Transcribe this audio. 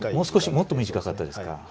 もっと短かったですか。